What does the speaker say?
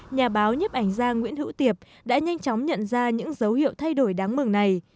nhà báo nhếp ảnh gia nguyễn hữu tiệp đã nhanh chóng nhận ra những dấu hiệu thay đổi đáng mừng này